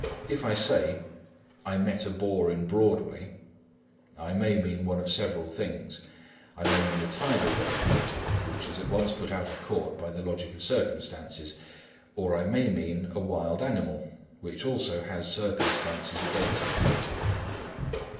If I say, "I met a bore in Broadway," I may mean one of several things. I may mean a tidal wave, which is at once put out of court by the logic of circumstances. Or I may mean a wild animal, which also has circumstances against it.